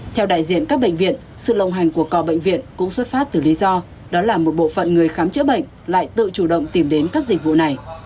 theo đại diện các bệnh viện sự lồng hành của cò bệnh viện cũng xuất phát từ lý do đó là một bộ phận người khám chữa bệnh lại tự chủ động tìm đến các dịch vụ này